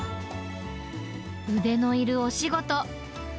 腕のいるお仕事。